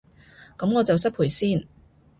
噉我就失陪先